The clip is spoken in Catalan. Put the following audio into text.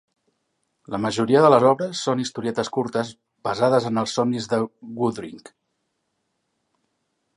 La majoria de les obres són historietes curtes basades en els somnis de Woodring.